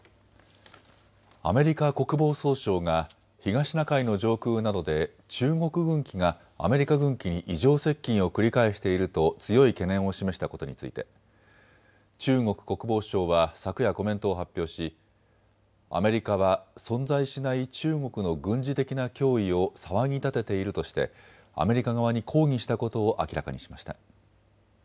アメリカ国防総省が東シナ海の上空などで中国軍機がアメリカ軍機に異常接近を繰り返していると強い懸念を示したことについて中国国防省は昨夜、コメントを発表しアメリカは存在しない中国の軍事的な脅威を騒ぎ立てているとしてアメリカ側に抗議したことを明らかにしました。